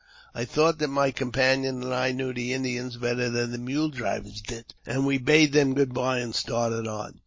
I thought that my companion and I knew the Indians better than the mule drivers did, and we bade them good bye and started on.